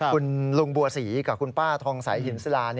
คุณลุงบัวศรีกับคุณป้าทองสายหินศิลา